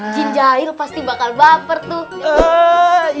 jin jahil pasti bakal baper tuh